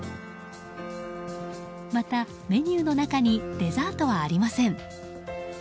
また、メニューの中にデザートはありません。